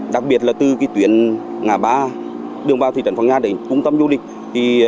đặc biệt là từ tuyến ngã ba đường vào thị trấn phong nha để cung tâm du lịch